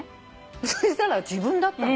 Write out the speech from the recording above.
そしたら自分だったの。